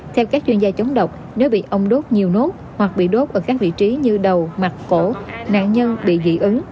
theo các chuyên gia chống độc nếu bị ông đốt nhiều nốt hoặc bị đốt ở các vị trí như đầu mạch cổ nạn nhân bị dị ứng